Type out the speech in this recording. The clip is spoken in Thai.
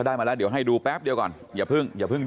อ่าโอเค